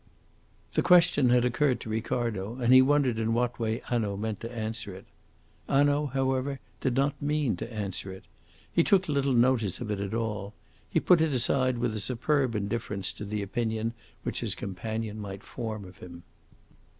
The question had occurred to Ricardo, and he wondered in what way Hanaud meant to answer it. Hanaud, however, did not mean to answer it. He took little notice of it at all. He put it aside with a superb indifference to the opinion which his companions might form of him.